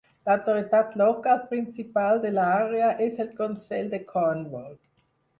L'autoritat local principal de l'àrea és el Consell de Cornwall.